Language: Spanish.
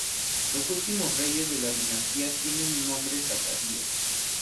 Los últimos reyes de la dinastía tienen nombres acadios.